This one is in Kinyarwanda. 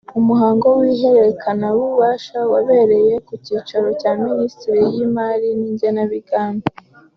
mu muhango w’ihererekanyabubasha wabereye ku cyicaro cya Ministeri y’Imari n’Igenamigambi